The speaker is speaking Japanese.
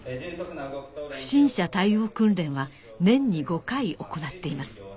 不審者対応訓練は年に５回行っています